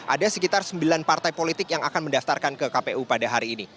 ada sekitar sembilan partai politik yang akan mendaftarkan ke kpu pada hari ini